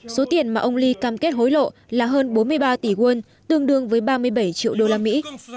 số tiền mà ông lee cam kết hối lộ là hơn bốn mươi ba tỷ won tương đương với ba mươi bảy triệu đô la mỹ